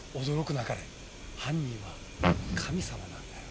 なかれ犯人は神様なんだよ。